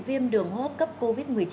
viêm đường hốp cấp covid một mươi chín